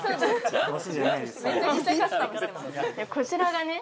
こちらがね